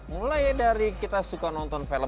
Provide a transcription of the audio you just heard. mulai dari kita suka nonton film